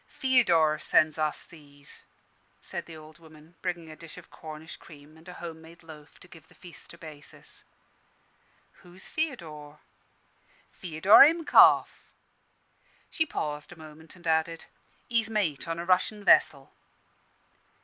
"Feodor sends us these," said the old woman, bringing a dish of Cornish cream and a home made loaf to give the feast a basis. "Who's Feodor?" "Feodor Himkoff." She paused a moment, and added, "He's mate on a Russian vessel."